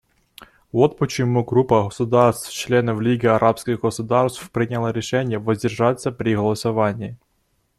Вот почему группа государств — членов Лиги арабских государств приняла решение воздержаться при голосовании.